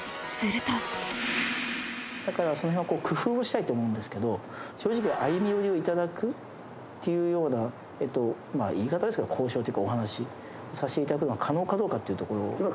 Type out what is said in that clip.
だからその辺を工夫をしたいと思うんですけど正直歩み寄りをいただくっていうようなまあ言い方悪いですけど交渉っていうかお話しさせていただくのは可能かどうかっていうところ。